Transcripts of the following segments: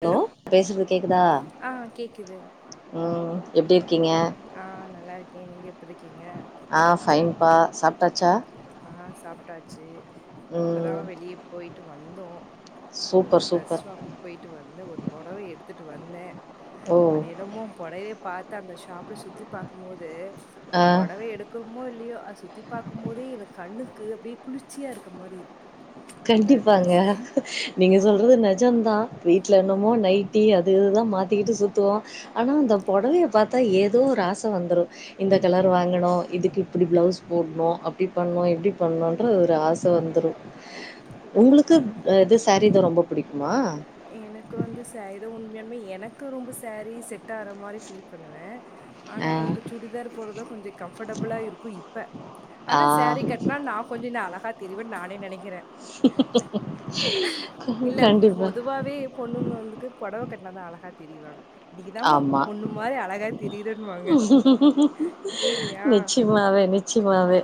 Hello பேசுறது கேக்குதா ஆ கேக்குது ம் எப்டி இருக் ஆ நல்லா இருக்கே நீங்க எப்டி இருக்கீங்க ஆ ஃபைன்பா சாப்ட்டாச்சா ஆ சாப்ட்டாச்சி இப்பதா ம் வெளிய போயிட்டு வந்தோ ஒரு சூப்பர் ட்ரெஸ் சூப்பர் ஷாப்புக்கு போயிட்டு வந்து ஒரு புடவ எடுத்துட்டு வந்தே ஓ அது என்னமோ புடவைய பாத்து அந்த ஷாப்ல சுத்தி பாக்கும்போது ஆ இ புடவ எடுக்குறோமோ இல்லயோ அத சுத்தி பாக்கு போதே எனக்கு கண்ணுக்கு அப்டியே குளிர்ச்சியா இருக்க மாரி இருக்கு அந்த கண்டிப்பாங்க ட்ரெஸ் நீங்க சொல்றது நெஜந்தா வீட்ல என்னமோ நைட்டி அது இதுதா மாத்திக்கிட்டு சுத்துவோ ஆனா அந்த புடவைய பாத்தா ஏதோ ஒரு ஆச வந்துரு இந்த கலர் வாங்கணு இதுக்கு இப்டி பிளவுஸ் போடணு அப்டி பண்ணனு இப்டி பண்ணனு [unintelligible] ஒரு ஆச வந்துரு உங்ளுக்கு அது இது சேரீதா ரொம்ப புடிக்குமா உண்மயாலுமே எனக்கு ரொம்ப சேரீ செட்டாகற மாறி ஃபீல் பண்ணுவே ஆனா ஆ எனக்கு சுடிதார் போட்றதா கொஞ்சொ கம்ஃபர்டபிளா இருக்கு இப்ப ஆ ஆனா சேரீ கட்னா நா கொஞ்சொ இன்னு அழகா தெரிவன் நானே நெனக்கிறே க- இல்ல கண்டிப்பா பொதுவாவே பொண்ணுங்க வந்துக்கு பொடவை கட்னாதா அழகா தெரிவாங்க இன்னைக்குதாமா ஆமா பொண்ணு மாறி அழகா தெரியறன்னுவாங்க இல்லயா மாவே நிச்சியமாவே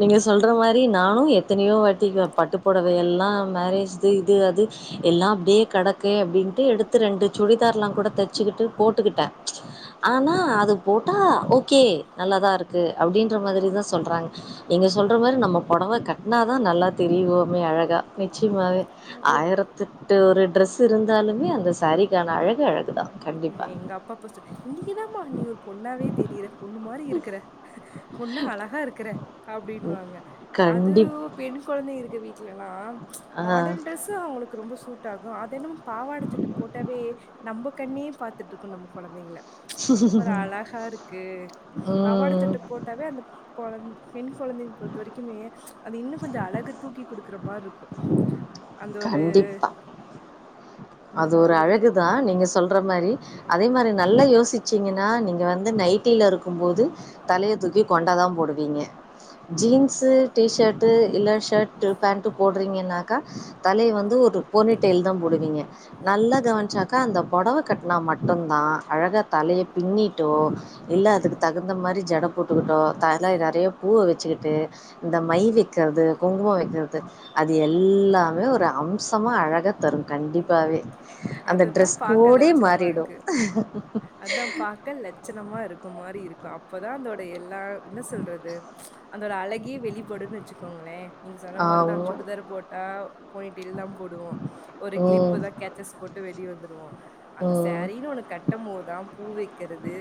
நீங்க சொல்ற மாறி நானு எத் எத்தனயோ வாட்டி பட்டுப்பொடவ எல்லா மேரேஜ்து இது அது எல்லாம் அப்டியே கெடக்கே அப்டின் டு எடுத்து ரெண்டு சுடிதார்ல்லா கூட தச்சுக்கிட்டு போட்டுக்கிட்டே ஆனா அது போட்டா ஓகே நல்லாதா இருக்கு அப்டின்ற மாதரி தா சொல்றாங்க எங்க நீங் சொல்ற மாறி நம்ம பொடவ கட்டினாதா நல்லா தெரிவோமே அழகா நிச் சயமாவே ஒரு ஆயிரத்தெட்டு ஒரு ட்ரெஸ்சு இருந்தாலுமே அந்த சேரீக்கான அழகு அழகுதா அ கண்டிப்பா எங்கப்பா அப்பசொ இன்னைக்குதாம்மா நீ ஒரு பொண்ணாவே தெரியற பொண்ணு மாறி இருக்கற பொண்ணா அழகா இருக்கற அப்டின்னுவாங்க அது கண்டிப் பெண் கொழந்த இருக்க வீட் ட்லல்லா ஆ மாடன் ட்ரெஸ்ஸூ அவுங்களுக்கு ரொம்ப சூட்டாகு அதென்னம் பாவாட சட்ட போட்டாவே நம்ப கண்ணே பாத்துட்ருக்கு நம்ம கொழந்தைங்கள ஒரு அழகா இருக்கு பாவாட ம் சட்ட போட்டாவே அந்த கொழந் பெண் கொழந்தைங்க பொறுத்த வரைக்குமே அது இன்னு கொஞ்சொ அழகு தூக்கி குடுக்குற மாறி இருக்கு அந்தொரு கண்டிப்பா. அது ஒரு அழகுதா நீங்க சொல்ற மாறி அதே மாறி நல்லா யோசிச்சீங்கன்னா நீங்க வந்து நைட்டில இருக்கும் போது தலய தூக்கி கொண்டதா தா போடுவீங்க ஜீன்ஸ் டி ஷர்ட் இல்ல ஷர்ட் பேண்ட் போட்றீங்கன்னாக்கா தலய வந்து ஒரு டு போனிடெய்ல் தா போடுவீங்க நல்லா கவனிச்சாக்கா அந்த பொடவ கட்னா மட்டு்ந்தா அழகா தலய பின்னிட்டோ இ ல்ல அதுக்கு தகுந்த மாறி ஜட போட்டுகிட்டோ தலை நெறய பூ வச்சுக்கிட்டு இந்த மை வெக்கறது கு குங்கும வெக்கறது அது எல்லாமே ஒரு அம்சமா அழக தரும் கண்டிப் அதுதா பாக்க லட்சணமா மாறிடும் இருக்கு அதா பாக்க லட்சணமா இருக்க மாறி இருக் கு அப்பதா அந்தோட எல்லா என்னா சொல்றது அந்தோட அழகே வெளிப்படுன்னு வச்சுக்கோங்களே நீங்க சொன்ன மாறி தா ஆமா சுடிதார் போட்டா போனிடெய்ல் தா போடுவோ ஒரு கிளிப்பு ம் தா கேச்சஸ் போட்டு வெளிய வந்துருவோ அந்த ம் சாரீனு ஒன்னு கட்ட மோதா பூ வைக்கிறது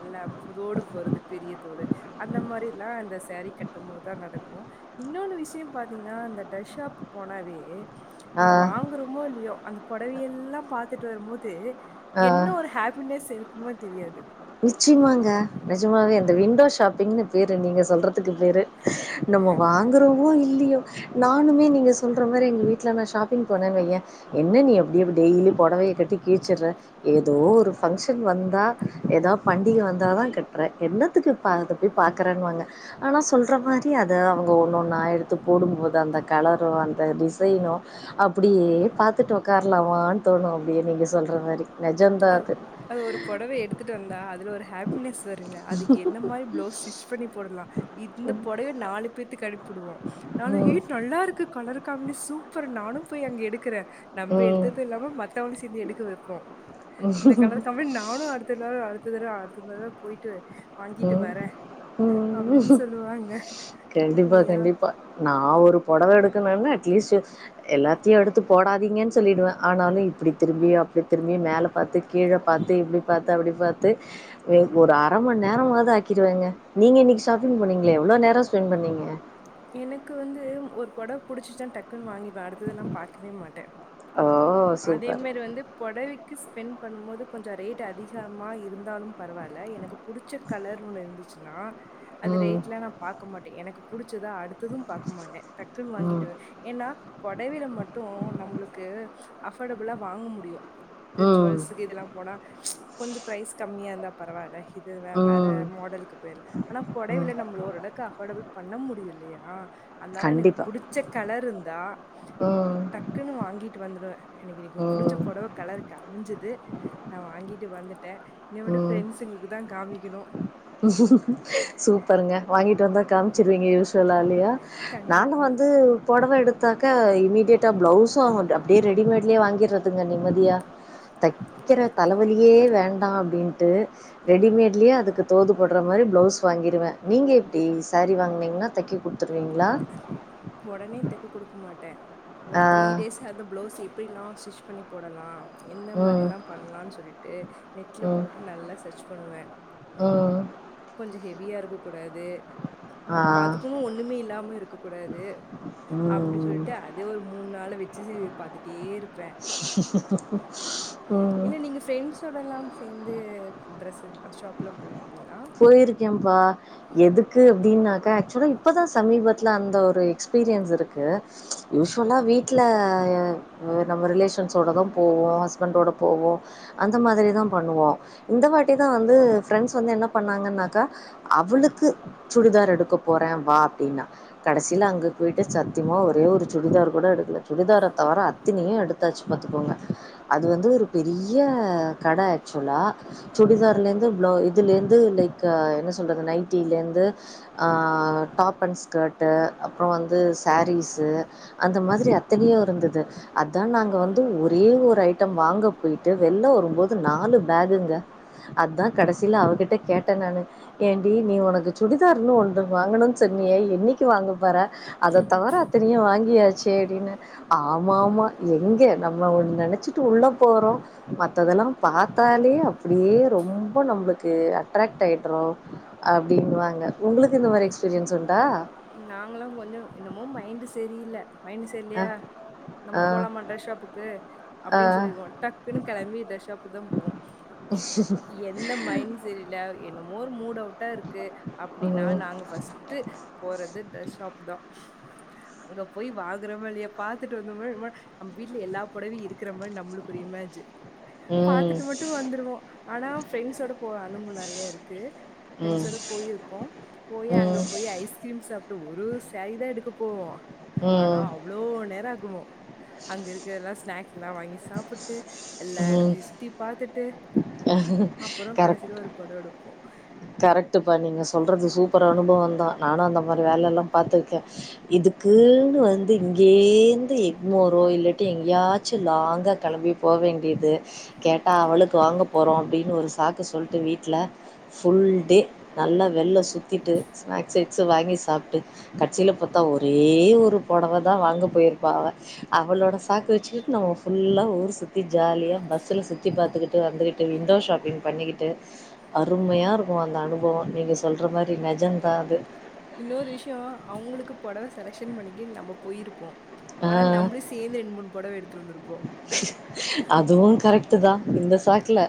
எல்லா புதோடு போறது பெரிய தோடு அந்த மாரில்லா அந்த சாரி கட்டும்மோதுதா நடக்கு இன்னொன்னு விஷ இப்பியு பாத்தீங்னா அந்த டிரஸ் ஷாப் போனவே ஆ நம்ம வாங்கறோமோ இல்லையோ அந்த பொடவையே எல்லா பாத்துட்டு வரும்போது ஆ என்ன ஒரு ஹாப்பினஸ் இருக்குமோ தெரியாது நிச்சயமாங்க நெஜமாவே இந்த விண்டோ ஷாப்பிங்னு பேரு நீங்க சொல்ற துக்கு பேரு நம்ம வாங்குறோமோ இல்லியோ நானுமே நீங்க சொல்ற மாரி எங்க வீட்ல நா ஷாப்பிங் போனேன் வையே என்ன நீ அப்டிய டெய்லி பொடவ டவ கட்டி கிருச்சிற ஏதோ ஒரு பங்க்ஷன் வந்தா ஏதா பண்டிகை வந்தாதா கட்டுற என்னாத்துக்கு இப்ப அது போய் பாக்கறேன்னுவாங்க ஆனா சொல்ற மாரி அத அவங்க ஒன்னொன்னா எடுத்து போடும்போது அந்த கலரோ அந்த டிசைனோ அப்டியே பாத்துட்டு உக்காரலாமான்னு தோணு அப்டியே நீங்க சொல்ற மாரி நெஜந்தா அவ்- அது அது ஒரு புடவ எடுத்துட்டு வந்தா அதுல ஒரு ஹாப்பினஸ் வருங்க அதுக்கு என்ன மாரி பிளவுஸ் ஸ்டிச் பிட் பண்ணி போடலா இந்த பொடவய நாலு பேத்துக்கு அனுப்பிடுவோ நானு ம். ஏய் நல்லாருக்கு கலரு காமி சூப்பர் நானு போய் அங்க எடுக்கிறே நம்ப ம். எடுத்தது இல்லாம மத்தவங்களு சேந்து எடுக்க வெப்போ இந்த கலரு காமி நானு அடுத்தாரும் அடுத்த தட அடுத்தள்ள போயிட்டு வாங்கிட்டு ம், வரே ம் கண்டிப்பா இல்லையா கண்டிப்பா நா ஒரு படோ அத எடுக்கணுனா அட்லீஸ் எல்லாத்தையு எடுத்து போடாதீங்கன்னு சொல்லிடுவே ஆனாலு இப்டி திரும்பி அப்டி திரும்பியு மேல பாத்து கீழ பாத்து இப்டி பாத்து அப்டி பாத்து ஒரு அரமண் நேரமாது ஆக்கிடுவாங்க நீங்க இன்னிக்கு ஸ்கூ ஷாப்பிங் போண்ணீங்களே எவ்வளோ நேர ஸ்பெண்ட் பண்ணீங்க புடவ் புடுச்சுசா டக் டக்குனு வாங்கிபே அடுத்ததெல்லா பாக்கவே மாட்டே ஓ! அதே சூப்பர். மாரி வந்து புடவைக் கிஸ் பெண் பண்ணு போது கொஞ்ச ரேட் அதிகமா இருந்தாலு பரவால எனக்கு புடிச்ச கலர் ஒண்ணு இருந்துச்சுன்னா அது ம், ரேட்லா நா பாக்க மாட்டே எனக்கு புடிச்சதா அடுத்தது பாக்க மாட்டே டக்குன்னு ம், வாங்கிட்டுவே ஏன்னா புடவேல மட்டு நம்ளுக்கு அஃபர்டபுளா வாங்க முடியு இத ம், ஜுவல்சுக்கு இதெல்லா போனா கொஞ்சோ ப்ரைஸ் கம்மியா இருந்தா பரவால்ல இது வேற ம், மாடலுக்கு போயிர்ல ஆனா ம். புடவல நம்ம ஓரளவுக்கு அஃபர்டபுள் பண்ண முடியு இல்லையா அதனால எனக்கு கண்டிப்பா. புடிச்ச கலர் இருந்தா ம், டக்குனு வாங்கீட்டு வந்ருவே இன்னிகி எனக்கு புடிச்ச ம், புடவ கலருக்கு அமஞ்சது நா வாங்கிட்டு வந்துட்டே என்ன விட ம். பிரெண்ட்ஸ்களுக்கு தா காமிக்கணு சூப்பருங்க வாங்கிட்டு வந்தா காமிச்சிருவீங்க யூஸ்வலால்லியா நாங்க கண்டிப்பா வந்து புடவயேடுத் தாக்க இம்மீடியேட்டா பிளவுஸு அப்டியே ரெடிமேட்லயே வாங்கிடுறதுங்க நிம்மதியா தக்கிற தலவலியே வேண்டா அப்டின்ட்டு ரெடிமேட்லயே அதுக்கு தோது பட்ற மாரி பிளவுஸ் வாங்கிடுவே நீங்க எப்டி சேரீ வாங்னீங்கன்னா தைக்கி குடுத்துருவீங்களா உடனே தெக்க குடுக்க மாட்டேஒரு ஆ. த்ரீ டேஸ் அந்த ப்ளவுஸ் எப் எப்டிலா ஸ்டிச் பண்ணி போடலா எந்த ம். மாரில்லா பண்ணலான்னு சொல்லிட்டு நெட்ல ம். போட்டு நல்லா சர்ச் பண்ணுவே ம். கொஞ்ச ஹெவியா இருக்க கூடாது ஆ. அப்ப அதுக்குன்னு ஒண்ணுமே இல்லாம இருக் இருக்க கூடாது அப்டி ம். சொல்லிட்டு அதே ஒரு மூணு நாலு வச்சு பாத்துட்டே இருப் பே ம். இல்ல நீங்க பிரெண்ட்ஸ் ஓடல்லா சேந்து ட்ரெஸ் ஷாப்லா போயி போயிருக்கேப்பா எதுக்கு அப்டினாக்க ஆக்சுவலா இப்பதா சமீபத்துல அந்த ஒரு எக்ஸ்பீரியன்ஸ் இருக்கு யூஸ்வல்லா வீட்டில நம்ம ரிலேஷன்ஸோட தா போவோ போவோ ஹஸ்பண்டோட போவோ அந்த மாதிரி தா பண்ணுவோ இந்த வாட்டி தா வந்து பிரெண்ட்ஸ் வந்து என்ன நாங்கன்னாக்கா அவளுக்கு சுடிதார் எடுக்க போறே வா அப்டின்னா கடசில அங்க போய்ட்டு சத்தியமா ஒரே ஒரு சுடிதார் கூட எடுக்கல சுடிதார தவிர அத்தினியு எடுத்தாச்சு பாத்துக்கோங்க அது வந்து ஒரு பெரிய கட ஆச்சுவலா சுடிதார்ல இருந்து பிளோ இதுலருந்து ந்து லைக் என்ன சொல்றது நைட்டிலந்து டாப் அண்ட் ஸ்கட்டு அப்றோ வந்து சாரீஸ்சு அந்த மாதிரி அத்தனயு இருந்தது அதா நாங்க வந்து ஒரே ஒரு ஒரு ஐட்டம் வாங்க போயிட்டு வெள்ல வரும்போது நாலு பேக்குங்க அதுதா கடசியில அவகிட்ட கேட்ட நானு ஏண்டி நீ உனக்கு சுடிதார்னு ஒன்னு வாங்கணும்ன்னு சொன்னிய என்னக்கி வாங்கப்போற அத தவிர அத்தனையு வாங்கியாச்சே அப்டின்னே மாமா எங்கே நம்ம ஒன்னு நினச்சுட்டு உள்ள போறோ மத்ததெல்லா பாத்தாலே அப்டியே ரொம்ப நம்ளுக்கு டய்டுறோ அப்டின்னுவாங்க உங்களுக்கு இந்த மாரி எக்ஸ்பீரியன்ஸ் உண்டா நாங்கலாம் கொஞ்சம் என்னமோ மைண்ட் சரி சரியில்ல மைண்டு அ சர்யில்லயா நம்ம ஆ போலாமா ட்ரெஸ் ஷாப்புக்கு ஆ அப்டின்னு சொல்லிருவோ டக்குன்னு கிளம்பி டிரஸ் ஷாப்குதா போவோ எந்த மைண்ட் சரியில என்னமோரு மூட் அவுட் ட்டா இருக்கு அப்டின்னா ம் நாங்க பஸ்ட்டு போறது டிரெஸ் ஷாப்தா அங்க போய் வாங்றமே இல்லயோ பாத்துட்டு வந்தமா யேம்மா நம்ம வீட்டு்ல எல்லா புடவையு இருக்கிற மாரி நம் ஒரு இமேஜ் ம் பாத்துட்டு மட்டு வந்துருவோ ஆனா ஃப்ரெண்ட்ஸோட போன அனுபொ நறையா இருக்கு ம் ஃப்ரண்ஸோட போயிருக்கோ போயி அங்க ம் போயி ஐஸ்க்ரீம் சாப் ஒரே ஒரு சாரீ தா எடுக்க போவோ ஆனா ம் அவ்ளோ நேரொ ஆகுவோ அங்க இருக்குற எல்லா ஸ்நாக்ஸ்லா வாங்கி சாப்புட் எல்லா ம் எடத்தையு சுத்திப் பாத்துட்டு அப்பறோ கரெக்ட் கடசீல ஒரு பொடவ எடுப்போ தா நானு அந்த மாரி வேலல்லா பாத்துருக்கே இதுக்குன்னு வந்து இங்கேந்து எங் ஒரு இல்லாட்டி எங்கயாச்சு லாங்கா கெளம்பி போ வேண்டியது கேட்டா அவளுக்கு வாங்கப் போறோ அப்டின்னு ஒரு சாக்கு சொல்ட்டு வீட்ல ஃபுல் தி நல்லா வெள்ள சுத்திட்டு ஸ்னாகஸ் இக்ஸு வாங்கி சாப்ட்டு கட்சீல பாத்தா ஒரே ஏ ஒரு பொடவாதா வாங்க போயிருப்பா அவ அவளோட சாக்கு வெச்சுக்கிட்டு நா ஃபுல்லா ஊர் சுத்தி ஜா நல்லா பஸ்ஸுல சுத்தி பாத்துக்கிட்டு வந்துகிட்டு விண்டோ ஷாப்பிங் பண்ணிக்கிட்டு அருமையா இருக்கு அந்த அனுபவம். நீங்க சொல்ற மாரி நெஜந்தா அது இன்னொரு விஷயம் அவங்களுக்கு புடவை செலெக்ஷன் பண்ணிக்கி நம்ம போயிருப்போ ஆ ஆனா நம்ப்ளு சேந்து ரெண் மூண் பொடவ எடுத்துட் வந்திருப் அதுவு கரெக்ட்டுதா இந்த சாக்குல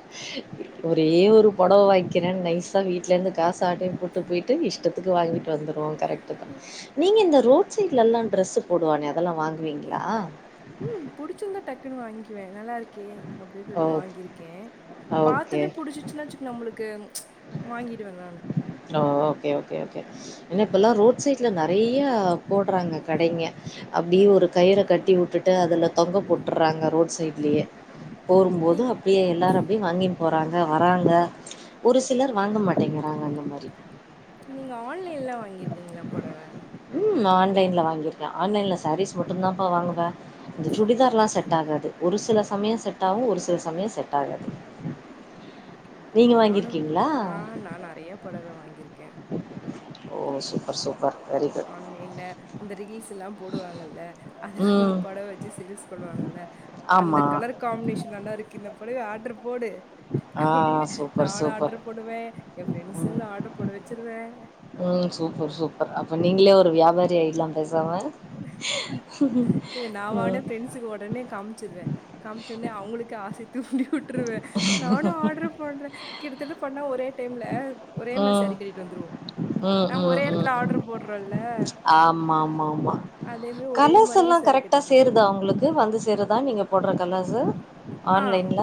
ஒரே ஒரு பொடவ வாய்ங்க்கிறன் நைஸா வீட்லருந்து காஸ ஆட்டயப் போட்டு போய்ட்டு இஷ்டத்துக்கு வாங்கிட் ட்டு வந்துருவோ கரெக்ட்டுதா நீங்க எந்த ரோட் சைட்லல்லா ட்ரெஸ்ஸு போடுவானே அதெல்லா வாங்குவீங்ளா ம் புடிச்சிர்ந்தா டக்குனு வாய்ங்க்குவே நல்லா இருக் கே அப்டின் ஓ! சொல்லி வாங்கிருக்கே ஓகே. பாத்தொன்னே புடிச்சிச்சுன்னா வச்சுங்க நம்மளுக்கு வாங்கிடுவேன் நான் ஓ ஓகே ஓகே ஓகே ஏனா இப்பல்லா ரோட் சைட்ல நறையா போட்றாங்க கடைங்க அப்டியே ஒரு கயிற கட்டி உட்டுட் ட்டு அதுல தொங்க போட்ர்றாங்க ரோட் சைட்லயே போரும் போது நீங் அப்டியே எல்லாரு அப்டியே வாங்கின் போறாங்க வராங்க ஒரு சிலர் வாங்க மாட்டேங்கிறாங்க அந்த மாரி நீங்க ஆன்லைன்லா வாங்கிருக்கீங்ளா பொடவ ம் நான் ஆன்லைன்ல வாங்கிருக்க ஆன்லைன்ல சாரீஸ் மட்டுந்தாம்ப்பா வாங்குவ இந்த சுடிதார்லா செட்டாகாது ஒரு சில ச சமயோ செட் ஆவு ஒரு சில சமயோ செட் ஆகாது ஓகே ஓகே நீங்க நானு வாங்கியிருக்கீங்களா? அ நா நறைய பொடவ வாங்கியிருக்க ஒ சூப்பர் சூப் ஆன்லைன்ல இந்த ரீல்ஸுல்லா போடுவாங்கல்ல அதுல ஒரு ம். பொடவ வெச்சி சேல்ஸ் பண்ணுவாங்கல அந்த ஆமா. கலர் காம்னேஷன் நல்லா இருக்கு இந்தப் அப்டியே ஆட்ரு போடு ஆ அப்டினு சூப்பர், நானு சூப்பர். ஆட்ரு போடுவே ஏ ம் ஃரெண்ட்ஸுங்ளு ஆட்ரு போட வெச்சிருவே ம் சூப்பர் சூப்பர் அப்ப நீங்களே ஒரு வியாபாரி ஆயிட்லா பேசாம இல்ல நா வாங்னா ம் ஃப்ரெண்ட்ஸுக்கு ஒடனே காமிச்சிருவே காமிச்ச ஒன்னே அவுங்களுக்கு ஆசய தூண்டிவுட்ருவ நானு ஆட்ரு பண்றே கிட்டத்தட்ட பண்ணா ஒரே டைம்ல ஒரே மாறி சா ம் ரி கெட்டிட்டு வந்த்ருவோ ம் ம் ம் ம் ஆமா ஆமா ஆ மா அதேமாரி ஒரே மாதிரியே கலர்ஸ்ஸெல்லா கரெக்ட்டா கட்டிடுவோம் சேருதா ஒங்களுக்கு வந்து சேருதா நீங்க போட்ற கலர்ஸு ஆன்லைன்ல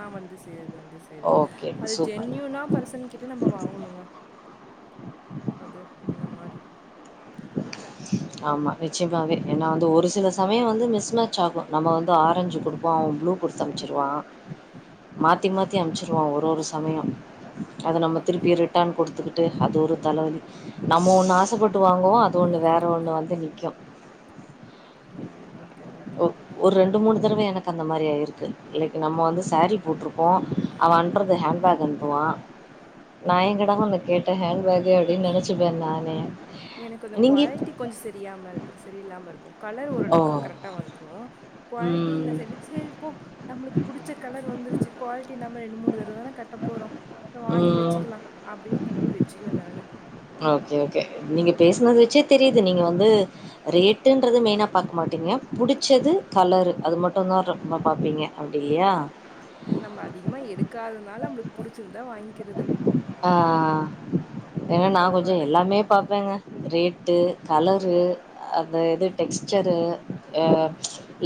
அ வந்து சேருது வந்து சேருது ஓகே அது சூப்பர் ஜென்யூனா பர்சன் கிட்ட நம்ப வாங்கணுங்க அது அந்த மாரி ஆமா நி ச்சயமாவே ஏன்னா வந்து ஒரு சில சமயோ வந்து மிஸ் மேட்ச் ஆகு நம்ம வந்து ஆரஞ்சு குடுப்போ அவ ப்ளூ குடுத்து அம்ச்சுர் வா மாத்தி மாத்தி அம்ச்சுருவா ஒரு ஒரு சமயோ அத நம்ம கண்டி- திருப்பி ரிட்டன் குடுத்துக்குட்டு அது ஒரு தலவலி நம்ம ஒண்ணு ஆசப்பட்டு வாங் னா அது ஒன்னு வேற ஒன்னு வந்து நிக்கு கண்டிப்பா கண்டிப்பா ஒ ஒரு ரெண்டு மூணு தரவ எனக்கு அந்த மாரி இருக்கு லைக் நம்ம வந்து சாரீ போட்ருப்போ அவ அனுப்றது ஹேண் பேக் அனுப்புவா நா எங்கடா ம் ஒன்ன கேட்ட ஹேண் பேகு அப்டினு நெனச்சிப்ப நானே எனக்கு அந்த நீங்கள் குவால்ட்டி கொஞ் சரியாமல் சரியில்லாம இருக்கு கலர் ஓ ஓரளவ்க்கு கரெக்டா வந்துடு குவால்ட்டி இன்ன ம் செர்ல செரி போ நம்ளுக்கு புடிச்ச கலரு வ ந்துருச்சு குவால்ட்டி இல்லாமல் ரெண்டு மூணு தடவ தான கட்ட போறோ வாங்கி ம் வெச்சுக்கலா அப்டின் சொல்லி வெச்சுக்குவே நானு ஓகே ஓகே பேஸ்னு வச்சே தெரியுது நீங்க வந்து ரேட்டுன்றது மெயின பாக்க மாட்டீங்க புடிச்சது கலரு அது மட்டுந்தா ரொம்ப பாப்பீங்க அப்டி இல்லையா அது நம்ம அதிகமா எடுக்காதனால நம்மளுக்கு புடிச்சிருந்தா வாங்கிக்கிறது ஆ ஏனா நா பொடவ கொஞ்சோ அழகு எல்லாமே பாப்பேங்க ரே ரேட்டு கலரு அந்த இது டெக்ஸ்ச்சரு அ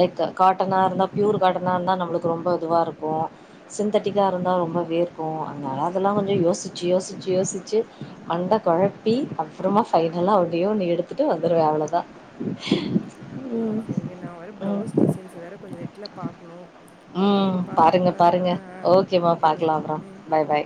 லைக் கா ட்டனா இருந்தா ப்யூர் காட்டனா இந்தா நம்ப்ளுக்கு ரொம்ப இதுவ இருக்கு சிந்தட்டிக்கா இருந்தா ரொம்ப வேர்க்கு நாலா அதெல்லா கொஞ்சோ யோசிச்சி யோசிச்சி யோசிச்சி மண்ட கொழப்பி அப்புறமா ஃபைனலா ஒன்னே ஒன்னு எடுத்துட்டு வந்துருவே அவ்ளதா செ செரிங்க நா வேற ப்ளவுஸ் டிசைன்ஸ் வேற கொஞ்சு நெட்ல பாக்ணு ம் செரிப்பா பாருங்க ம் அ பாருங்க அ அ ஓகேமா ஓகேங்க பாக்கலா அப்றோ ம் பாய் பாய்